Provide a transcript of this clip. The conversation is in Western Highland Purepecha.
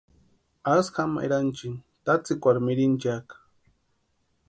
Asï jama eranchini tatsikwari mirinchiaka.